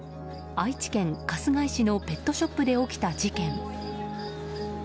愛知県春日井市のペットショップで起きた事件。